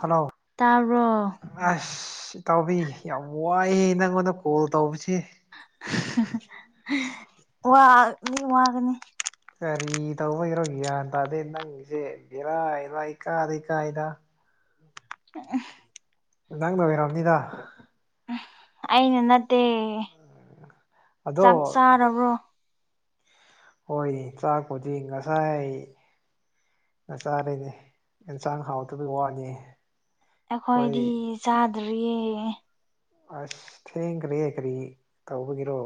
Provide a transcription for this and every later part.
hello ꯇꯥꯕꯔꯣ ꯑꯁ ꯏꯇꯥꯎꯕꯤ ꯌꯥꯝ ꯋꯥꯏꯌꯦ ꯅꯪꯉꯣꯟꯗ ꯀꯣꯜ ꯇꯧꯕꯁꯦ ꯋꯥꯒꯅꯤ ꯋꯥꯒꯅꯤ ꯀꯔꯤ ꯇꯧꯕꯒꯤꯔꯣ ꯒ꯭ꯌꯥꯟ ꯇꯥꯗꯦ ꯅꯪꯁꯦ ꯔꯥꯏꯔꯣ ꯀꯥꯗꯩ ꯀꯥꯏꯗ ꯑ ꯅ ꯅꯪ ꯅ ꯑꯣꯏꯔꯝꯅꯤꯗ ꯑꯩꯅ ꯅꯠꯇꯦ ꯑꯗꯣ ꯆꯞ ꯆꯥꯔꯕ꯭ꯔꯣ ꯍꯣꯏ ꯆꯥꯛꯄꯗꯤ ꯉꯁꯥꯏ ꯅꯆꯥꯗꯩꯗꯤ ꯑꯦꯟꯁꯥꯡ ꯍꯥꯎꯇꯕꯒꯤ ꯋꯥꯅꯤ ꯑꯩꯈꯣꯏ ꯑꯩꯈꯣꯏꯗꯤ ꯆꯥꯗ꯭ꯔꯤꯌꯦ ꯑꯁ ꯊꯦꯡꯈ꯭ꯔꯦ ꯀꯔꯤ ꯇꯧꯕꯒꯤꯔꯣ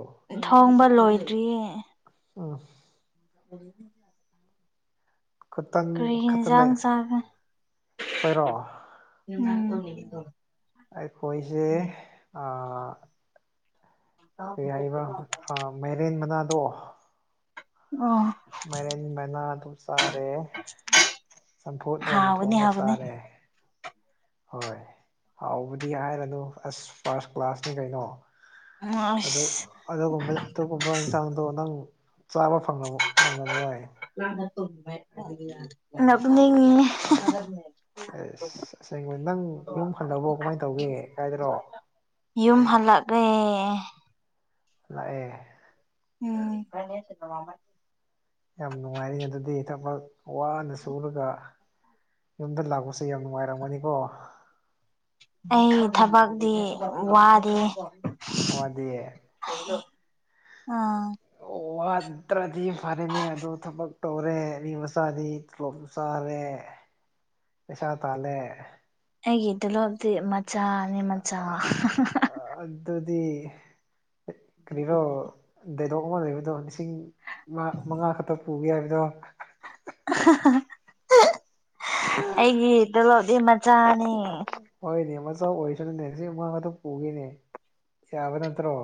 ꯊꯣꯡꯕ ꯂꯣꯏꯗ꯭ꯔꯤꯌꯦ ꯑꯣ ꯎ ꯈꯨꯇꯟ ꯀꯔꯤ ꯈꯛꯇ ꯌꯦꯟꯖꯥꯡ ꯂꯩ ꯆꯥꯒꯦ ꯑꯩꯈꯣꯏꯔꯣ ꯑꯩꯈꯣꯏꯁꯦ ꯀꯩ ꯍꯥꯏꯕ ꯃꯥꯏꯔꯦꯟ ꯃꯅꯥꯗꯣ ꯑꯣ ꯃꯥꯏꯔꯦꯟ ꯃꯅꯥ ꯑꯗꯨ ꯆꯥꯔꯦ ꯆꯝꯐꯨꯠ ꯑꯣꯏꯅ ꯍꯥꯎꯒꯅꯤ ꯊꯣꯡꯉꯒ ꯍꯥꯎꯒꯅꯤ ꯆꯥꯔꯦ ꯍꯣꯏ ꯍꯥꯎꯕꯗꯤ ꯍꯥꯏꯔꯅꯨ ꯑꯁ ꯐꯥꯔꯁ ꯀ꯭ꯂꯥꯁꯅꯤ ꯀꯩꯅꯣ ꯎꯝ ꯑꯗꯣ ꯑꯁ ꯑꯣ ꯀꯕ ꯑꯗꯨꯒꯨꯝꯕ ꯏꯟꯁꯥꯡꯗꯣ ꯅꯪ ꯆꯥꯕ ꯐꯪ ꯐꯪꯉꯝ ꯑꯣꯏꯏ ꯅꯞꯅꯤꯡꯉꯦ ꯑꯦꯁ ꯑꯁꯦꯡꯕ ꯅꯪ ꯌꯨꯝ ꯍꯜꯂꯕꯣ ꯀꯃꯥꯏ ꯇꯧꯒꯦ ꯀꯥꯏꯗꯔꯣ ꯌꯨꯝ ꯍꯜꯂꯛꯂꯦ ꯂꯥꯛꯑꯦ ꯎꯝ ꯌꯥꯝ ꯅꯨꯡꯉꯥꯏꯔꯦ ꯑꯗꯨꯗꯤ ꯊꯃꯛ ꯋꯥꯅ ꯁꯨꯔꯒ ꯌꯨꯝꯗ ꯂꯥꯛꯄꯁꯦ ꯌꯥꯝ ꯅꯨꯡꯉꯥꯏꯔꯝꯒꯅꯤꯀꯣ ꯑꯩ ꯊꯕꯛꯇꯤ ꯋꯥꯗꯦ ꯑꯗ ꯑꯥ ꯑꯣ ꯋꯥꯗ꯭ꯔꯗꯤ ꯐꯔꯦꯅꯦ ꯑꯗꯣ ꯊꯕꯛ ꯇꯧꯣꯔꯦ ꯅꯤ ꯃꯁꯥꯅꯤ ꯀ꯭ꯂꯣꯝꯁꯥꯔꯦ ꯄꯩꯁꯥ ꯇꯥꯂꯦ ꯑꯩꯒꯤ ꯇꯤꯂꯣꯞꯇꯤ ꯃꯆꯥꯅꯤ ꯃꯆꯥ ꯑꯗꯨꯗꯤ ꯀꯔꯣ ꯗꯥꯏꯂꯣꯛ ꯑꯃ ꯂꯩꯕꯗꯣ ꯂꯤꯁꯤꯡ ꯃꯉꯥ ꯈꯛꯇ ꯄꯨꯒꯦ ꯍꯥꯏꯕꯗꯣ ꯑꯩꯒꯤ ꯇꯂꯣꯗꯤ ꯃꯆꯥꯅꯤ ꯍꯣꯏꯅꯦ ꯃꯆꯥ ꯑꯣꯏꯁꯅꯨꯅꯦ ꯁꯤ ꯃꯥ ꯑꯗꯨꯝ ꯄꯨꯒꯤꯅꯦ ꯌꯥꯕ ꯅꯠꯇ꯭ꯔꯣ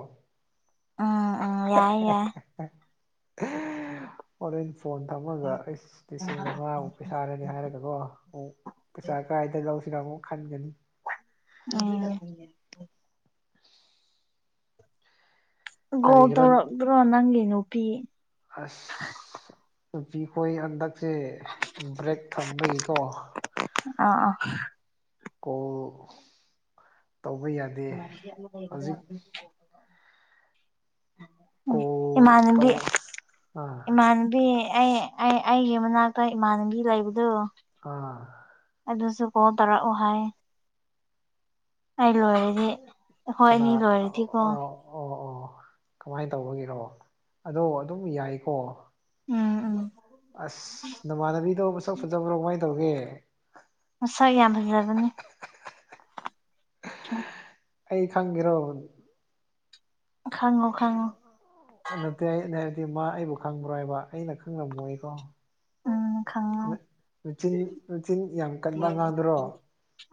ꯎꯝ ꯎꯝ ꯌꯥꯏ ꯌꯥꯏ ꯍꯣꯔꯦꯟ ꯐꯣꯟ ꯊꯝꯃꯒ ꯍꯥꯏꯁ ꯂꯤꯁꯤꯡ ꯃꯉꯥꯕꯨ ꯄꯩꯁꯥꯔꯅꯦ ꯍꯥꯏꯔꯒꯀꯣ ꯑꯃꯨꯛ ꯄꯩꯁꯥ ꯀꯥꯏꯗ ꯂꯧꯁꯤꯔ ꯑꯃꯨꯛ ꯈꯟꯒꯅꯤ ꯎꯝ ꯒꯣꯜ ꯀꯔꯤꯒꯤꯔꯣ ꯇꯧꯔꯛꯇ꯭ꯔꯣ ꯅꯪꯒꯤ ꯅꯨꯄꯤ ꯑꯁ ꯇꯨꯄꯤꯈꯣꯏ ꯍꯟꯗꯛꯁꯦ ꯕ꯭ꯔꯦꯛ ꯊꯝꯕꯒꯤꯀꯣ ꯑ ꯑ ꯀꯣꯜ ꯇꯧꯕ ꯌꯥꯅꯤ [unintelligible] ꯎꯝ ꯀꯣꯜ ꯏꯃꯥꯟꯅꯕꯤ ꯇꯧ ꯑꯥ ꯏꯃꯥꯟꯅꯕꯤ ꯑꯩ ꯑꯩ ꯑꯩꯒꯤ ꯃꯅꯥꯛꯇ ꯏꯃꯥꯟꯅꯕꯤ ꯂꯩꯕꯗꯣ ꯑꯥ ꯑꯗꯨꯁꯨ ꯀꯣꯜ ꯇꯧꯔꯛꯑꯣ ꯍꯥꯏ ꯑꯩ ꯂꯣꯏꯔꯗꯤ ꯑꯩꯈꯣꯏ ꯀꯅꯥ ꯑꯅꯤ ꯑꯣ ꯂꯣꯏꯔꯗꯤꯀꯣ ꯑꯣ ꯑꯣ ꯑꯣ ꯀꯃꯥꯏ ꯇꯧꯕꯒꯤꯔꯣ ꯑꯗꯣ ꯑꯗꯨꯝ ꯌꯥꯏꯀꯣ ꯎꯝ ꯎꯝ ꯑꯁ ꯅꯃꯥꯟꯅꯕꯤꯗꯣ ꯃꯁꯛ ꯐꯖꯕ꯭ꯔꯣ ꯀꯃꯥꯏ ꯇꯧꯒꯦ ꯃꯁꯥ ꯌꯥꯝ ꯐꯖꯕꯅꯤ [unintelligible] ꯑꯩ ꯈꯪꯒꯔꯣ ꯈꯪꯉꯣ ꯈꯪꯉꯣ ꯑ ꯅꯠꯇꯦ ꯑꯩꯅ ꯍꯥꯏꯗꯤ ꯃꯥ ꯑꯩꯕꯨ ꯈꯪꯕ꯭ꯔꯣ ꯍꯥꯏꯕ ꯑꯩꯅ ꯈꯪꯂꯝꯃꯣꯏꯀꯣ ꯎꯝ ꯈꯪꯉꯣ ꯃꯠ ꯃꯆꯤꯟ ꯃꯆꯤꯟ ꯌꯥꯝ ꯀꯟꯕ ꯉꯥꯡꯗꯨꯔꯣ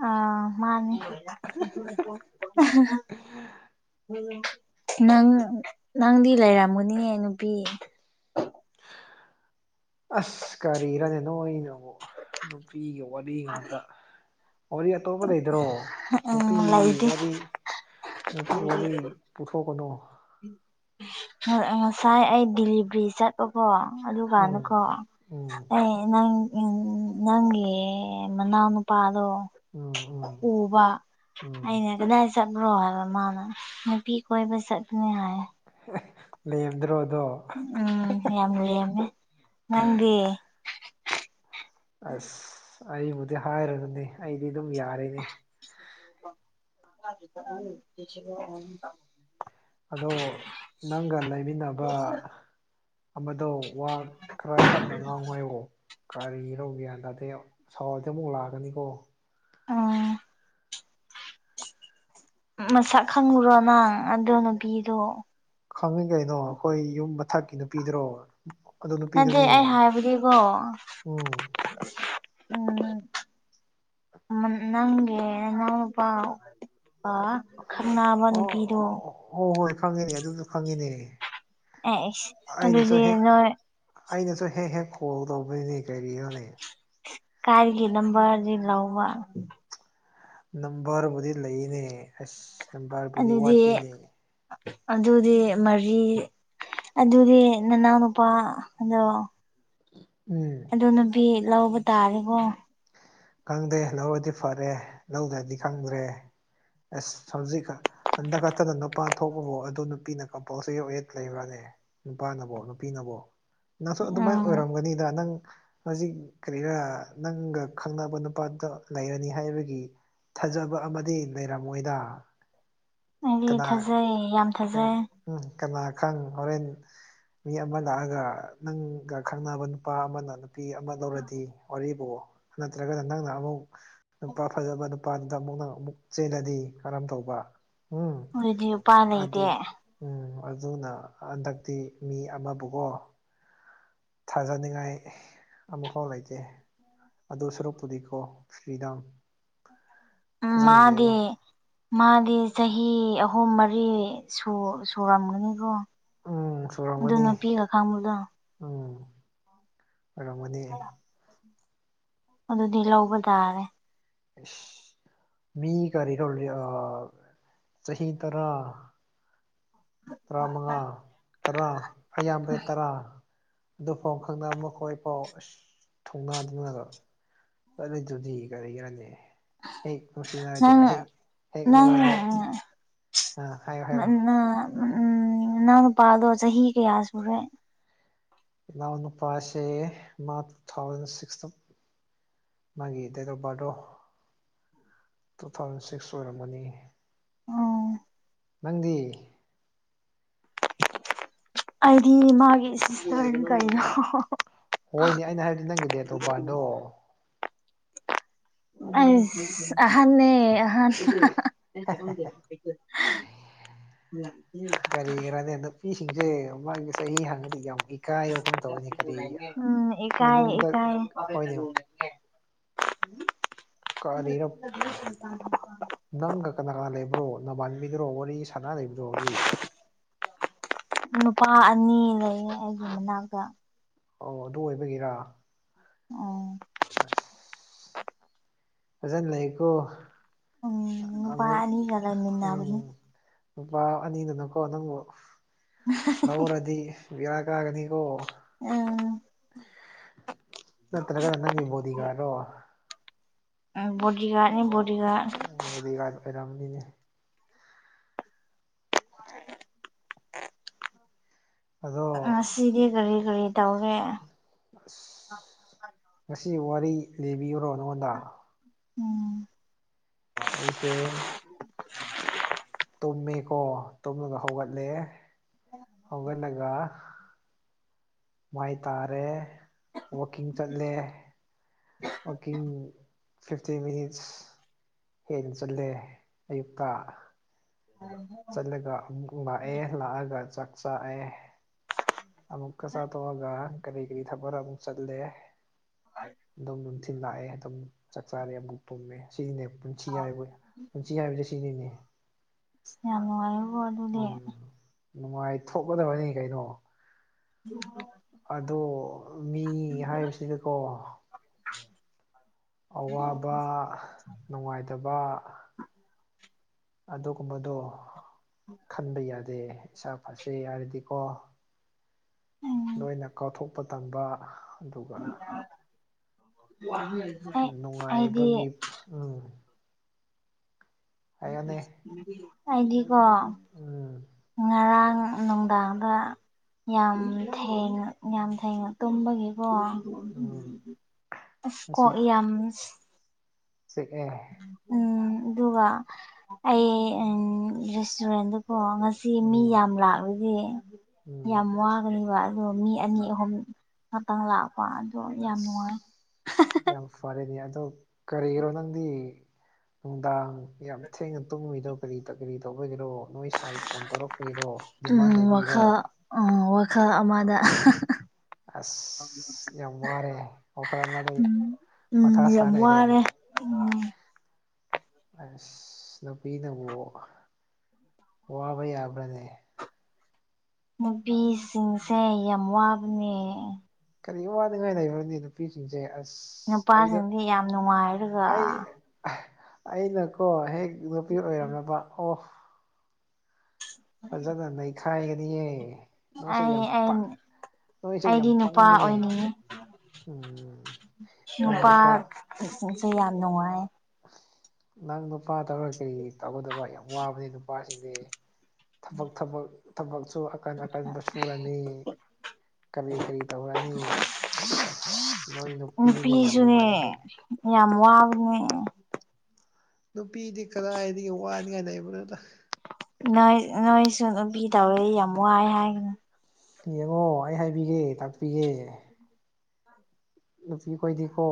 ꯑꯥ ꯃꯥꯅꯦ ꯅꯪ ꯅꯪꯗꯤ ꯂꯩꯔꯝꯒꯅꯤꯌꯦ ꯅꯨꯄꯤ ꯑꯁ ꯀꯔꯤꯔꯅꯦ ꯅꯣꯏ ꯅꯃꯨꯛ ꯅꯨꯄꯤꯒꯤ ꯋꯥꯔꯤ ꯉꯥꯛꯇ ꯋꯥꯔꯤ ꯑꯇꯣꯞꯄ ꯂꯩꯇ꯭ꯔꯣ ꯎꯝ ꯅꯨꯄꯤꯒꯤ ꯂꯩꯇꯦ ꯋꯥꯔꯤ ꯅꯨꯄꯤ ꯋꯥꯔꯤ ꯄꯨꯊꯣꯛꯀꯅꯣ ꯉꯁꯥꯏ ꯑꯩ ꯗꯤꯜꯂꯤꯕ꯭ꯔꯤ ꯆꯠ ꯀꯣ ꯑꯗꯨ ꯀꯥꯟꯗ ꯀꯣ ꯎꯝ ꯎꯝ ꯑꯦ ꯅꯪ ꯅꯪꯒꯤ ꯃꯅꯥꯎꯅꯨꯄꯥꯗꯣ ꯑꯝ ꯑꯝ ꯎꯕ ꯑꯩꯅ ꯀꯗꯥꯏ ꯆꯠꯕ꯭ꯔꯣ ꯍꯥꯏꯕ ꯃꯥꯅ ꯅꯨꯄꯤ ꯀꯣꯏꯕ ꯆꯠ [unintelligible] ꯂꯦꯝꯗ꯭ꯔꯣꯗꯣ ꯑ ꯌꯥꯝ ꯂꯦꯝꯃꯦ ꯅꯪꯗꯤ ꯑꯁ ꯑꯩꯕꯨꯗꯤ ꯍꯥꯏꯔꯕꯅꯦ ꯑꯩꯗꯤ ꯑꯗꯨꯝ ꯌꯥꯔꯦꯅꯦ [unintelligible] ꯑꯗꯣ ꯅꯪꯒ ꯂꯩꯃꯤꯟꯅꯕ ꯑꯃꯗꯣ ꯋꯥ ꯈꯔ ꯇꯞꯅ ꯉꯥꯡꯉꯣ ꯍꯥꯏꯌꯣ ꯀꯔꯤꯅꯣ ꯒ꯭ꯌꯥꯟ ꯇꯥꯗꯦ ꯁꯥꯎꯔꯛꯇꯅ ꯂꯥꯛꯀꯅꯤꯀꯣ ꯎꯝ ꯃꯁꯛ ꯈꯪꯕꯔꯣ ꯅꯪ ꯑꯗꯨ ꯅꯨꯄꯤꯗꯣ ꯈꯪꯉꯤ ꯀꯩꯅꯣ ꯑꯩꯈꯣꯏ ꯌꯨꯝ ꯃꯊꯛꯀꯤ ꯅꯨꯄꯤꯗꯨꯔꯣ ꯑꯗꯨ ꯅꯠꯗꯦ ꯅꯨꯄꯤꯗꯨꯅꯤꯅꯦ ꯑꯩ ꯍꯥꯏꯕꯗꯤꯀꯣ ꯎꯝ ꯎꯝ ꯅꯪꯒꯤ ꯅꯅꯥꯎꯅꯨꯄꯥ ꯒ ꯈꯟꯅꯕ ꯑꯣ ꯅꯨꯄꯤꯗꯣ ꯍꯣꯏ ꯍꯣꯏ ꯈꯪꯉꯤꯅꯦ ꯑꯗꯨꯁꯨ ꯈꯪꯉꯤꯅꯦ ꯑꯦꯁ ꯑꯩꯅꯁꯨ ꯑꯗꯨꯗꯤ ꯍꯦꯛ ꯅꯣꯏ ꯑꯩꯅꯁꯨ ꯍꯦꯛ ꯍꯦꯛ ꯀꯣꯜ ꯇꯧꯕꯅꯤꯅꯦ ꯀꯔꯤꯅꯣꯅꯦ ꯀꯥꯏꯗꯒꯤ ꯅꯝꯕꯔ ꯍꯧꯖꯤꯛ ꯂꯧꯕ ꯅꯝꯕꯔꯕꯨꯗꯤ ꯂꯩꯌꯦꯅꯦ ꯑꯁ ꯅꯝꯕꯔꯕꯨꯗꯤ ꯑꯗꯨꯗꯤ ꯋꯥꯠꯇꯦꯅꯦ ꯑꯗꯨꯗꯤ ꯃꯔꯤ ꯑꯗꯨꯗꯤ ꯅꯅꯥꯎꯅ ꯅꯨꯄꯥ ꯑꯗꯣ ꯎꯝ ꯑꯗꯨ ꯅꯨꯄꯤ ꯂꯧꯕ ꯇꯥꯔꯦꯀꯣ ꯈꯪꯗꯦ ꯂꯧꯔꯗꯤ ꯐꯔꯦ ꯂꯧꯗ꯭ꯔꯗꯤ ꯈꯪꯗ꯭ꯔꯦ ꯑꯁ ꯍꯧꯖꯤꯛ ꯀꯥꯟ ꯍꯟꯗꯛ ꯈꯛꯇꯅ ꯅꯨꯄꯥ ꯊꯣꯛꯂꯣ ꯑꯗꯨ ꯅꯨꯄꯤꯅ ꯀꯝꯄꯜꯁꯔꯤ ꯑꯣꯏꯠ ꯂꯩꯕꯅꯦ ꯅꯨꯄꯥꯅꯕꯣ ꯅꯨꯄꯤꯅꯕꯣ ꯅꯪꯁꯨ ꯑꯗꯨꯃꯥꯏꯅ ꯎꯝ ꯑꯣꯏꯔꯝꯒꯅꯤꯗ ꯅꯪ ꯍꯧꯖꯤꯛ ꯀꯔꯤꯔꯥ ꯅꯪꯒ ꯈꯪꯅꯕ ꯅꯨꯄꯥꯗ ꯂꯩꯔꯅꯤ ꯍꯥꯏꯕꯒꯤ ꯊꯥꯖꯕ ꯑꯃꯗꯤ ꯂꯩꯔꯝꯃꯣꯏꯗ ꯑꯩꯗꯤ ꯀꯅꯥ ꯊꯥꯖꯩ ꯌꯥꯝ ꯄꯨꯡ ꯊꯥꯖꯩ ꯎꯝ ꯀꯅꯥ ꯈꯪ ꯍꯣꯔꯦꯟ ꯃꯤ ꯑꯃ ꯂꯥꯛꯑꯒ ꯅꯪꯒ ꯈꯪꯅꯕ ꯅꯨꯄꯥ ꯑꯃꯅ ꯅꯨꯞ__ ꯅꯨꯄꯤ ꯑꯃ ꯂꯧꯔꯗꯤ ꯋꯥꯔꯤꯕꯨ ꯅꯠꯇ꯭ꯔꯒꯅ ꯅꯪꯅ ꯑꯃꯨꯛ ꯅꯨꯄꯥ ꯐꯖꯕ ꯅꯨꯞ__ ꯑꯗꯨꯗ ꯑꯃꯨꯛ ꯅꯪ ꯑꯃꯨꯛ ꯆꯦꯜꯂꯗꯤ ꯀꯔꯝ ꯇꯧꯕ ꯎꯝ ꯑꯗꯨꯗꯤ ꯎꯄꯥꯏ ꯑꯗꯨ ꯂꯩꯇꯦ ꯎꯝ ꯑꯗꯨꯅ ꯍꯟꯗꯛꯇꯤ ꯃꯤ ꯑꯃꯕꯨꯀꯣ ꯊꯥꯖꯅꯤꯡꯉꯥꯏ ꯑꯃꯨꯛꯐꯥꯎ ꯂꯩꯇꯦ ꯑꯗꯨ ꯁꯔꯨꯛ ꯄꯨꯗꯤꯀꯣ ꯐ꯭ꯔꯤꯗꯝ ꯎꯝ ꯐꯖꯅ ꯂꯩꯌꯨ ꯃꯥꯗꯤ ꯃꯥꯒꯤ ꯆꯍꯤ ꯑꯍꯨꯝ ꯃꯔꯤ ꯁꯨꯔ ꯁꯨꯔꯝꯒꯅꯤꯀꯣ ꯎꯝ ꯑꯗꯨ ꯁꯨꯔꯝꯒꯅꯤ ꯅꯨꯄꯤꯒ ꯈꯪꯕꯗꯣ ꯎꯝ ꯑꯣꯏꯔꯝꯒꯅꯤ ꯑꯗꯨꯗꯤ ꯂꯧꯕ ꯇꯥꯔꯦ ꯏꯁ ꯃꯤ ꯀꯔꯤ ꯐꯧ [unintelligible] ꯆꯍꯤ ꯇꯔꯥ ꯇꯔꯥꯃꯉꯥ ꯇꯔꯥ ꯑꯌꯥꯝꯕꯗ ꯇꯔꯥ ꯑꯗꯨꯐꯥꯎ ꯈꯪꯅ ꯃꯈꯣꯏ ꯐꯥꯎ ꯑꯁ ꯊꯨꯡꯅꯗꯅꯒ ꯆꯠꯂꯤꯗꯨꯗꯤ ꯀꯔꯤꯒꯤꯔꯅꯦ ꯍꯦꯛ ꯅꯨꯡꯁꯤꯅꯔꯗꯤ ꯅꯪ ꯍꯦꯛ ꯍꯦꯛ ꯅꯪ ꯂꯧꯔꯅꯤ ꯑꯥ ꯍꯥꯏꯌꯣ ꯍꯥꯏꯌꯣ ꯎꯝ ꯎꯝ ꯅꯅꯥꯎ ꯅꯨꯄꯥꯗꯣ ꯆꯍꯤ ꯀꯌꯥ ꯁꯨꯔꯦ ꯢꯅꯥꯎ ꯅꯨꯄꯥꯥꯁꯦ ꯃꯥ ꯇꯨꯊꯥꯎꯖꯟ ꯁꯤꯛꯁꯇ ꯃꯥꯒꯤ ꯗꯦꯠ ꯑꯣꯐ ꯕꯥ꯭ꯔꯠꯗꯣ ꯇꯨ ꯊꯥꯎꯖꯟ ꯁꯤꯛꯁ ꯑꯣꯏꯔꯝꯃꯅꯤ ꯎꯝ ꯅꯪꯗꯤ ꯑꯩꯗꯤ ꯃꯥꯒꯤ ꯁꯤꯁꯇꯔꯅꯤ ꯀꯩꯅꯣ ꯍꯣꯏꯅꯦ ꯑꯩꯅ ꯍꯥꯏꯕꯗꯤ ꯅꯪꯒꯤꯗꯦꯠ ꯑꯣꯐ ꯕꯥꯔꯗꯗꯣ ꯑꯁ ꯑꯍꯟꯅꯦ ꯑꯍꯥꯟ ꯀꯜꯂꯤꯒꯔꯗ ꯅꯨꯄꯤꯁꯤꯡꯁꯦ ꯃꯥꯒꯤ ꯆꯍꯤ ꯍꯡꯉꯗꯤ ꯌꯥꯝ ꯏꯀꯥꯏꯌꯣ ꯎꯝ ꯃꯅꯨꯡꯗ ꯏꯀꯥꯏ ꯍꯣꯏꯅꯦ ꯏꯀꯥꯏ UNINTELLIGIBLE ꯀꯥꯔꯤꯔꯞ ꯅꯪꯒ ꯀꯅꯥ ꯀꯅꯥ ꯂꯩꯕ꯭ꯔꯣ ꯅꯕꯥꯟꯕꯤꯒꯔꯣ ꯋꯥꯔꯤ ꯁꯅꯥ ꯂꯩꯕꯗꯣ ꯍꯧꯖꯤꯛ ꯅꯨꯄꯥ ꯑꯅꯤ ꯂꯩꯌꯦ ꯑꯩꯒꯤ ꯃꯅꯥꯛꯇ ꯑꯣ ꯑꯗꯨ ꯑꯣꯏꯕꯒꯤꯔꯥ ꯎꯝ ꯑꯁ ꯐꯖꯅ ꯂꯩꯌꯣ ꯀꯣ ꯎꯝ ꯑ ꯅꯨꯄꯥ ꯑꯃꯨꯨꯛ ꯑꯅꯤꯒ ꯂꯩꯃꯤꯟꯅꯕꯅꯤ ꯎꯝ ꯂꯨꯄꯥ ꯑꯅꯤꯗꯨꯅꯀꯣ ꯅꯪꯕꯨ ꯂꯧꯔꯗꯤ ꯕꯤꯔꯥ ꯀꯥꯒꯅꯤꯀꯣ ꯑꯥ ꯅꯠꯇ꯭ꯔꯒꯅ ꯅꯪꯒꯤ ꯕꯣꯗꯤꯒꯥꯔꯗꯣ ꯎꯝ ꯕꯣꯗꯤꯒꯔꯗꯅꯦ ꯕꯣꯗꯤꯒꯔꯗ ꯕꫭꯗꯤꯒꯥꯏꯗ ꯑꯣꯏꯔꯝꯅꯤꯅꯦ ꯑꯗꯣ ꯉꯁꯤꯗꯤ ꯀꯔꯤ ꯀꯔꯤ ꯇꯧꯔꯦ ꯑꯁ ꯉꯁꯤ ꯋꯥꯔꯤ ꯂꯤꯕꯤꯌꯨꯔꯣ ꯅꯉꯣꯟꯗ ꯎꯝ ꯑꯩꯁꯦ [inaudible] ꯇꯨꯝꯃꯦꯀꯣ ꯇꯨꯝꯃꯒ ꯍꯧꯒꯠꯂꯦ UNINTELLIGIBLE ꯍꯧꯒꯠ ꯂꯒ ꯃꯥꯏ ꯇꯥꯔꯦ ꯋꯀꯤꯡ ꯆꯠꯂꯦ UNINTELLIGIBLE ꯋꯀꯤꯡ ꯐꯤꯐꯇꯤ ꯃꯤꯅꯤꯠꯁ ꯍꯦꯟ ꯆꯠꯂꯦ ꯑꯌꯨꯛꯇ UNINTELLIGIBLE ꯆꯠꯂꯒ ꯍꯨꯡꯒꯨ ꯃꯥꯛꯑꯦ ꯂꯥꯛꯑꯒ ꯆꯥꯛ ꯆꯥꯛꯑꯦ ꯑꯃꯨꯛꯀ ꯆꯥꯊꯣꯛꯑꯒ ꯀꯔꯤ ꯒꯤꯔꯤ ꯊꯛꯄ ꯔꯃꯨꯛ ꯆꯠꯂꯦ ꯗꯨꯝ ꯂꯥꯛꯑꯦ ꯑꯗꯨꯝ ꯆꯥꯛ ꯆꯥꯔꯦ ꯑꯃꯨꯛ ꯇꯨꯝꯃꯦ ꯁꯤꯅꯦ ꯄꯨꯟꯁꯤ ꯍꯥꯏꯕꯨ ꯄꯨꯟꯁꯤ ꯍꯥꯏꯕꯁꯦ ꯁꯤꯅꯤꯅꯦ ꯁꯁ ꯃꯌ꯭ꯥꯝ ꯅꯨꯪꯉꯥꯏꯔꯣ ꯎꯝ ꯅꯨꯡꯉꯥꯏ ꯊꯣꯛꯀꯗꯕꯅꯤ ꯀꯩꯅꯣ UNINTELLIGIBLE ꯑꯗꯣ ꯃꯤ ꯍꯥꯏꯕꯁꯤꯗꯀꯣ ꯑꯋꯥꯕ ꯅꯨꯡꯉꯥꯏꯇꯕ ꯑꯗꯨꯒꯨꯝꯕꯗꯣ ꯈꯟꯕ ꯌꯥꯗꯦ ꯏꯁꯥ ꯐꯁꯦ ꯍꯥꯏꯔꯗꯤꯀꯣ ꯎꯝ ꯂꯣꯏꯅ ꯀꯥꯎꯊꯣꯛꯄ ꯇꯝꯕ ꯑꯗꯨꯒ UNINTELLIGIBLE ꯅꯨꯡꯉꯥꯏꯕꯒꯤ ꯍꯥꯏꯌꯅꯦ ꯑꯩꯗꯤꯀꯣ ꯉꯔꯥꯡ ꯅꯨꯡꯗꯥꯡꯗ ꯌꯥꯝ ꯊꯦꯡꯅ ꯌꯥꯝ ꯊꯦꯡꯅ ꯇꯨꯝꯕꯒꯤꯀꯣ ꯎꯝ ꯑꯁ ꯀꯣꯛ ꯌꯥꯝꯁ ꯁꯦ ꯀꯩꯍꯥꯏ ꯎꯝ ꯑꯗꯨꯒ ꯑꯩ ꯑꯟ ꯔꯦꯁꯇꯨꯔꯦꯟꯗꯨꯀꯣ ꯉꯁꯤ ꯃꯤ ꯎꯝ ꯌꯥꯝ ꯔꯥꯛꯔꯗꯤ ꯎꯝ ꯌꯥꯝ ꯋꯥꯒꯅꯤꯕ ꯗꯣ ꯃꯤ ꯑꯅꯤ ꯑꯍꯨꯝ ꯈꯛꯇꯪ ꯂꯥꯛꯄ ꯑꯗꯣ ꯌꯥꯝ ꯑꯁ ꯅꯨꯡꯉꯥꯏ ꯌꯥꯝ ꯐꯔꯦꯅꯦ ꯑꯗꯣ ꯀꯔꯤꯔꯣ ꯅꯪꯗꯤ ꯅꯨꯡꯗꯥꯡ ꯌꯥꯝ ꯊꯦꯡꯅ ꯇꯨꯝꯃꯨꯏꯗꯣ ꯀꯔꯤ ꯀꯔꯤ ꯇꯧꯕꯒꯤꯔꯣ ꯅꯣꯏ ꯁꯥꯏ ꯐꯣꯟ ꯇꯧꯔꯛꯄꯩꯔꯣ ꯗꯤꯃꯥꯟ ꯎꯝ ꯂꯩꯕꯩꯔꯣ ꯋꯥꯈꯜ ꯎꯝ ꯋꯥꯈꯜ ꯑꯃꯗ ꯑꯁ ꯌꯥꯝ ꯋꯥꯔꯦ ꯋꯈꯥꯜ ꯑꯃꯗꯩꯩ ꯎꯝ ꯃꯊꯥ ꯁꯥ ꯌꯥꯝ ꯂꯩꯔꯦ ꯋꯥꯔꯦ ꯎꯝ ꯑꯁ ꯅꯨꯄꯤꯅꯕꯨ ꯋꯥꯕ ꯌꯥꯕ꯭ꯔꯥꯅꯦ ꯅꯨꯄꯤꯁꯤꯡꯁꯦ ꯌꯥꯝ ꯋꯥꯕꯅꯦ ꯀꯔꯤ ꯋꯥꯗꯉꯥꯏ ꯂꯩꯕ꯭ꯔꯥꯅꯦ ꯅꯨꯄꯤ ꯅꯨꯄꯤꯁꯤꯡꯁꯦ ꯑꯁ ꯑꯩꯗꯣ ꯅꯨꯄꯥꯁꯤꯡꯗꯤ ꯌꯥꯝ ꯅꯨꯡꯉꯥꯏꯔꯒ ꯑꯩ ꯑꯩꯅꯀꯣ ꯍꯦꯛ ꯅꯨꯄꯤ ꯑꯣꯏꯔꯝꯂꯕ ꯑꯣ [inaudible] ꯐꯖꯅ ꯅꯩꯈꯥꯏꯒꯅꯤꯌꯦ ꯅꯣꯏꯁꯦ ꯑꯩ ꯌꯥꯝ ꯑꯩꯟ ꯄꯥꯛ ꯅꯣꯏꯁꯦ ꯑꯩꯗꯤ ꯌꯥꯝ ꯅꯨꯄꯥ ꯄꯪꯉꯤꯅꯦ ꯑꯣꯏꯅꯤꯡꯉꯤ ꯎꯝ ꯅꯨꯄꯥ ꯏꯁꯤꯡꯁꯦ ꯌꯥꯝ ꯅꯨꯡꯉꯥꯏ ꯅꯪ ꯅꯨꯄꯥ ꯇꯧꯔꯒ ꯀꯔꯤ ꯇꯧꯒꯗꯕ ꯌꯥꯝ ꯋꯥꯕꯅꯤ ꯅꯨꯄꯥꯁꯤꯡꯗꯤ ꯊꯕꯛ ꯊꯕꯛ ꯊꯕꯛꯁꯨ ꯑꯀꯟ ꯑꯀꯟꯕ ꯁꯨꯔꯅꯤ ꯀꯔꯤ ꯀꯔꯤ ꯇꯧꯔꯅꯤ ꯅꯣꯏ ꯅꯨꯄꯤꯅꯤꯅꯦ ꯌꯥꯝ ꯅꯨꯄꯤꯁꯨꯅꯦ ꯅꯨꯡꯉꯥꯏꯔꯤꯁꯦ ꯌꯥꯝ ꯋꯥꯕꯅꯦ ꯅꯨꯄꯤꯗꯤ ꯀꯗꯥꯏꯗꯩꯩ ꯋꯥꯅꯤꯡꯉꯥꯏ ꯂꯩꯕꯅꯣꯗ ꯅꯣꯏ ꯅꯣꯏꯁꯨ ꯅꯨꯄꯤ ꯇꯧꯋꯦ ꯌꯥꯝ ꯋꯥꯏ ꯍꯥꯏꯒꯅꯨ ꯌꯦꯡꯉꯣ ꯑꯩ ꯍꯥꯏꯕꯤꯒꯦ ꯇꯥꯛꯄꯤꯒꯦ ꯅꯨꯄꯤ ꯈꯣꯏꯗꯤꯀꯣ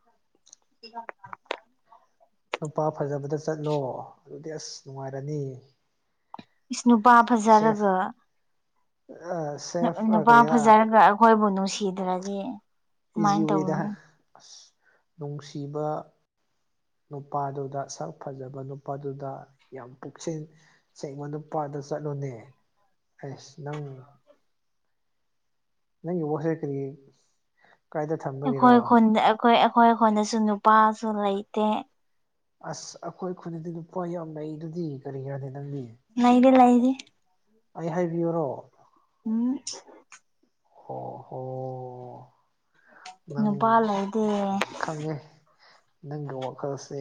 [inaudible] [inaudible] ꯅꯨꯄꯥ ꯐꯖꯕꯗ ꯆꯠꯂꯣ ꯑꯗꯨꯗꯤ ꯑꯁ ꯅꯨꯡꯉꯥꯏꯔꯅꯤ ꯏꯁ ꯅꯨꯄꯥ ꯐꯖꯔꯒ ꯁꯦꯐ ꯁꯦꯐ ꯅꯨꯄꯥ ꯀꯔꯤꯔꯥ ꯐꯖꯔꯒ ꯍꯣꯏꯕꯨ ꯅꯨꯡꯁꯤꯗ꯭ꯔꯗꯤ ꯏꯖꯤ ꯀꯃꯥꯏꯅ ꯋꯦꯗ ꯇꯧꯅꯤ ꯑꯁ ꯅꯨꯡꯁꯤꯕ ꯅꯨꯄꯥꯗꯨꯗ ꯁꯛ ꯐꯖꯕ ꯅꯨꯄꯥꯗꯨꯗ ꯌꯥꯝ ꯄꯨꯛꯁꯤꯟ ꯁꯉꯣꯟꯗꯨꯄꯥꯥꯗ ꯆꯠꯂꯨꯅꯦ ꯑꯁ ꯅꯪ ꯅ ꯋꯥꯁꯦ ꯀꯔꯤꯌꯦ ꯀꯥꯏꯗ ꯊꯝꯃꯦ ꯑꯩꯈꯣꯏ ꯈꯨꯟꯗ ꯑꯩꯈꯣꯏ ꯑꯩꯈꯣꯏ ꯈꯣꯟꯗꯁꯨ ꯅꯨꯄꯥꯁꯨ ꯂꯩꯇꯦ ꯑꯁ ꯑꯩꯈꯣꯏ ꯈꯨꯟꯗꯗꯤ ꯂꯨꯄꯥ ꯌꯥꯝ ꯂꯩꯗꯨꯗꯤ ꯀꯔꯤꯔꯥꯅꯦ ꯅꯪꯗꯤ ꯅꯩꯗꯤ ꯂꯩꯔꯤ ꯑꯩ ꯍꯥꯏꯕꯤꯌꯨꯔꯣ ꯎꯃꯝ ꯍꯣ ꯍꯣ ꯅꯪ ꯅꯨꯄꯥ ꯂꯩꯇꯦ ꯈꯪꯉꯦ ꯅꯪꯒꯤ ꯋꯥꯈꯜꯁꯦ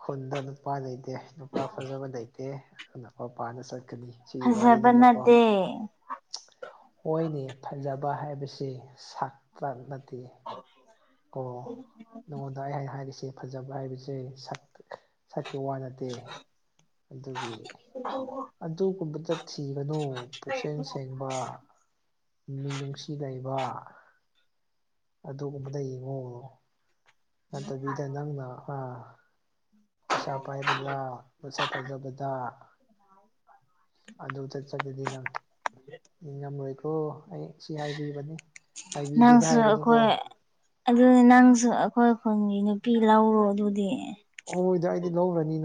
ꯈꯨꯟꯗ ꯅꯨꯄꯥ ꯅꯩ ꯑꯦ ꯅꯨꯄꯥ ꯐꯖꯕ ꯂꯩꯇꯦ ꯑꯅ ꯃꯄꯥꯟꯗ ꯆꯠꯀꯅꯤ ꯁꯤꯒꯤ ꯋꯥꯔꯤꯅꯦꯅꯕꯀꯣ ꯑꯦ ꯍꯣꯏꯅꯤ ꯐꯖꯕ ꯍꯥꯏꯕꯁꯤ ꯁꯛꯇ ꯅꯠꯇꯦ ꯑ ꯀ ꯅꯉꯣꯟꯗ ꯑꯩ ꯍꯥꯏꯩꯅ ꯍꯥꯏꯔꯤꯁꯦ ꯐꯖꯕ ꯍꯥꯏꯕꯁꯦ ꯁꯛ ꯁꯛꯀꯤ ꯋꯥ ꯅ ꯑꯗꯨꯒꯤ ꯑꯗꯨꯒꯨꯝꯕꯗ ꯊꯤꯒꯅꯨ ꯄꯨꯛꯁꯦꯟ ꯁ ꯁꯦꯡꯕ ꯃꯤ ꯃꯤꯡꯅꯨꯡꯁꯤ ꯂꯩꯕ ꯑꯗꯨꯒꯨꯝꯕ ꯑꯃꯗ ꯌꯦꯡꯉꯣꯣ ꯅꯠꯇꯕꯤꯗ ꯅꯪꯅ ꯑꯥ ꯄꯩꯁꯥ ꯄꯥꯏꯕꯗ ꯃꯣꯠꯁꯥ ꯐꯖꯕꯗ ꯑꯗꯨ ꯆꯠ ꯆꯗꯗꯤ ꯅꯪ ꯉꯝꯃꯣꯏꯀꯣ ꯑꯩ ꯁꯤ ꯍꯥꯏꯕꯤꯕꯅꯦ ꯍꯥꯏꯕꯤꯗꯤꯗꯤ ꯍꯥꯏꯒꯅꯀꯣ ꯑꯗꯨꯗꯤ ꯅꯪꯁꯨ ꯑꯩꯈꯣꯏ ꯈꯨꯟꯒꯤ ꯅꯨꯄꯤ ꯂꯧꯔꯣ ꯑꯗꯨꯗꯤ ꯑꯣꯣꯏꯗ ꯑꯩꯗꯤ ꯂꯧꯔꯅꯤꯅ